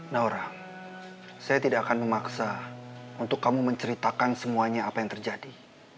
naura saya tidak akan memaksa untuk kamu menceritakan semuanya apa yang terjadi